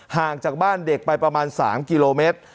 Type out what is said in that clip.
ห่างจากบ้านเด็กไปประมาณ๓กิโลเมตร